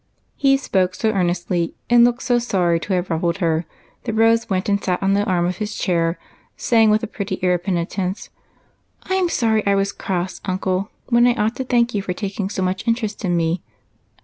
He spoke so earnestly and looked so sorry to have ruffled her that Rose went and sat on the arm of his chair, saying, with a pretty air of penitence, —" I 'm sorry I was cross, uncle, when I ought to thank you for taking so much interest in me.